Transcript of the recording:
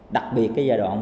đặc biệt cái giai đoạn